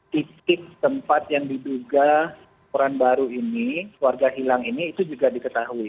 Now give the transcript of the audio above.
titik tempat yang diduga orang baru ini warga hilang ini itu juga diketahui